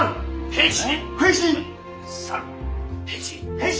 変身？